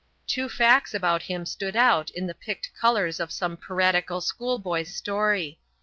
Two facts about him stood out in the picked colours of some piratical schoolboy's story.